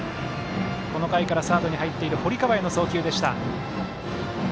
この回からサードに入っている堀川への送球でした。